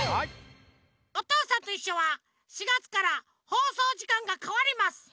「おとうさんといっしょ」は４がつからほうそうじかんがかわります。